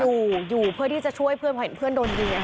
อยู่อยู่เพื่อที่จะช่วยเพื่อนเพราะเห็นเพื่อนโดนยิง